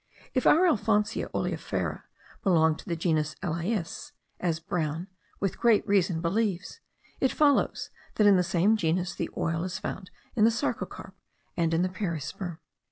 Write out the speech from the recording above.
If our Alfonsia oleifera belong to the genus Elais (as Brown, with great reason believes), it follows, that in the same genus the oil is found in the sarcocarp and in the perisperm.)